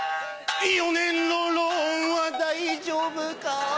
４年のローンは大丈夫か？